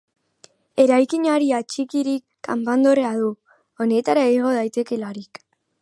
Eraikinari atxikirik kanpandorrea du, honetara igo daitekeelarik.